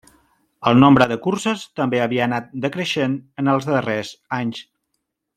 El nombre de curses també havia anat decreixent en els darrers anys.